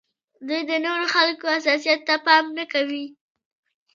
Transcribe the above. دوی د نورو خلکو حساسیت ته پام نه کوي.